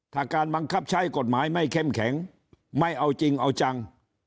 ถ้าการบังคับใช้กฎหมายไม่เข้มแข็งไม่เอาจริงเอาจัง